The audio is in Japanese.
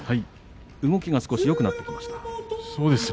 動きが少しよくなってきましたか。